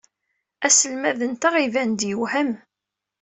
Aselmad-nteɣ iban-d yewhem.